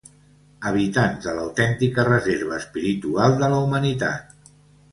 Habitants de l'autèntica reserva espiritual de la humanitat.